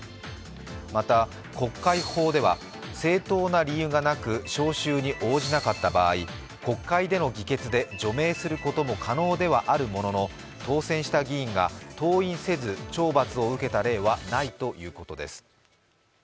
また国会法では、正当な理由がなく召集に応じなかった場合国会での議決で除名することは可能ではあるものの当選した議員が登院せず懲罰を受けた例はないということです。